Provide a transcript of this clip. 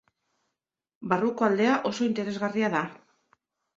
Barruko aldea oso interesgarria da.